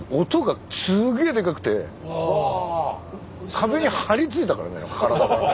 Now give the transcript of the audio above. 壁に張り付いたからね体が。